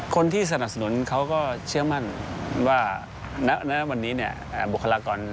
คนที่สนับสนุนเขาก็เชื่อมั่นว่าณวันนี้เนี่ยบุคลากร